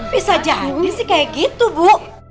bisa jadi sih kayak gitu bu